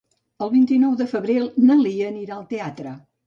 El vint-i-nou de febrer na Lia anirà al teatre.